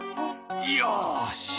「よし！」